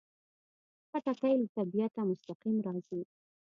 خټکی له طبیعته مستقیم راځي.